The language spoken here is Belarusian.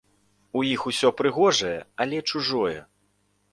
У іх усё прыгожае, але чужое.